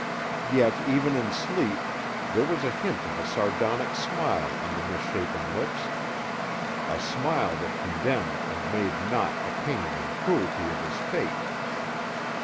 Yet, even in sleep, there was a hint of a sardonic smile on the misshapen lips, a smile that condemned and made naught the pain and cruelty of his fate.